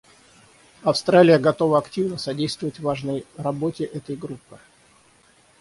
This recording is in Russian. Австралия готова активно содействовать важной работе этой группы.